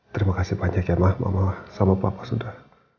terima kasih banyak ya mbak mama sama papa sudah